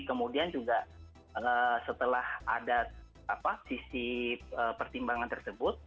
kemudian juga setelah ada sisi pertimbangan tersebut